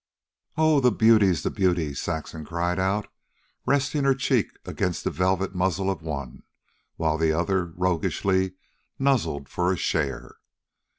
"Oh, the beauties! the beauties!" Saxon cried, resting her cheek against the velvet muzzle of one, while the other roguishly nuzzled for a share.